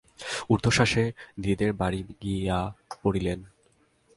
ঊর্ধ্বশ্বাসে নিধিদের বাড়ি গিয়া পড়িলেন।